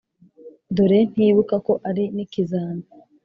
dore ntibuka ko ari n’ikizami.